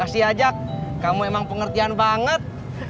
makasih ya jack kamu emang pengertian banget